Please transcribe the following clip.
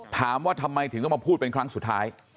ถามว่าทำไมถึงต้องมาพูดเป็นครั้งสุดท้าย